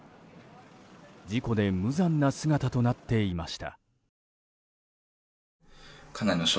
事故で無残な姿となっていました。